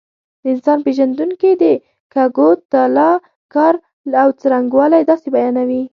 د انسان پېژندونکي د کګوتلا کار او څرنګوالی داسې بیانوي.